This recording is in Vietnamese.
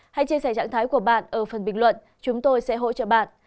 hãy chia sẻ trạng thái của bạn ở phần bình luận chúng tôi sẽ hỗ trợ bạn